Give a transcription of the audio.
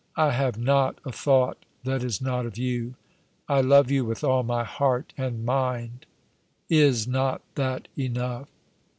"I have not a thought that is not of you. I love you with all my heart and mind. Is not that enough